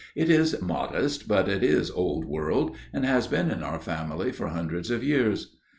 "It is modest, but it is old world and has been in our family for hundreds of years."